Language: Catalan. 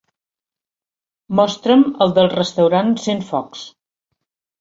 Mostra'm el del restaurant Centfocs.